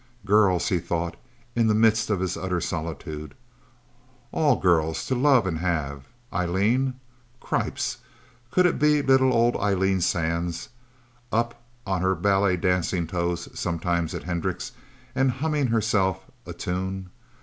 Girls, he thought, in the midst of his utter solitude. All girls, to love and have ... Eileen? Cripes, could it be little old Eileen Sands, up on her ballet dancing toes, sometimes, at Hendricks', and humming herself a tune?